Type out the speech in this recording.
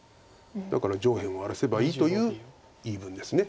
だから上辺を荒らせばいいという言い分です。